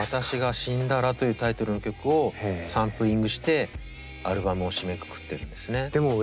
私が死んだらというタイトルの曲をサンプリングしてアルバムを締めくくってるんですね。